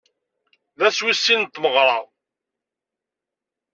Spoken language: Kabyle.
D ass wis sin n tmeɣra.